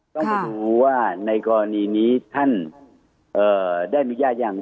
ต้องไปดูว่าในกรณีนี้ท่านได้อนุญาตยัง